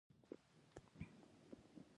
یعنې د نېزې جوړولو ځای او نېزه ستان.